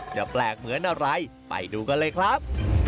แปลกเหมือนอะไรไปดูกันเลยครับ